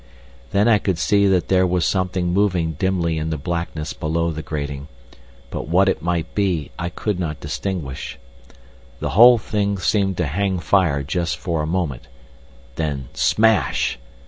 Then I could see that there was something moving dimly in the blackness below the grating, but what it might be I could not distinguish. The whole thing seemed to hang fire just for a moment—then smash!